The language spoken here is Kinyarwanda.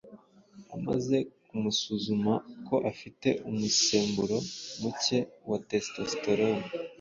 amaze kumusuzuma ko afite umusemburo muke wa testosterone